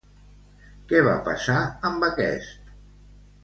Què va passar amb aquest?